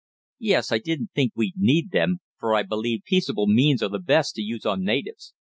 "Yes, I didn't think we'd need them, for I believe peaceable means are the best to use on natives.